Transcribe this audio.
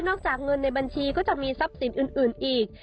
จากเงินในบัญชีก็จะมีทรัพย์สินอื่นอีก